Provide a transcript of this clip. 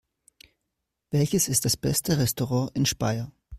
Welches ist das beste Restaurant in Speyer?